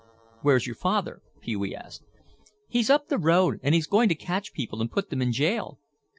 "Where's your father?" Pee wee asked. "He's up the road and he's going to catch people and put them in jail."